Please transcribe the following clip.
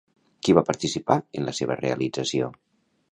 Qui va participar en la seva realització?